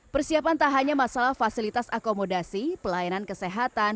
persiapan tak hanya masalah fasilitas akomodasi pelayanan kesehatan